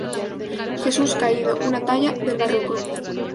Jesús Caído: Una talla del Barroco.